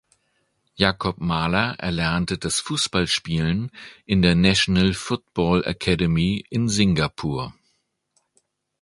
Jacob Mahler erlernte das Fußballspielen in der National Football Academy in Singapur.